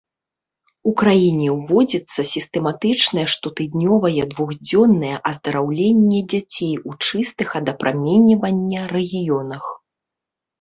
У краіне ўводзіцца сістэматычнае штотыднёвае двухдзённае аздараўленне дзяцей у чыстых ад апраменьвання рэгіёнах.